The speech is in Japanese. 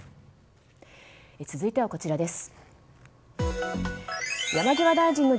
続いてはこちらです。